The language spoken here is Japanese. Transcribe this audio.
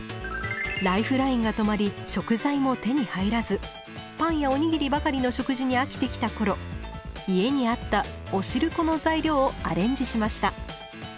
ライフラインが止まり食材も手に入らずパンやおにぎりばかりの食事に飽きてきた頃家にあったお汁粉の材料をアレンジしました。